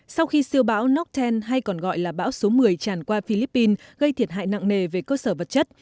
sau khi siêu bão northen hay còn gọi là bão số một mươi tràn qua philippines gây thiệt hại nặng nề về cơ sở vật chất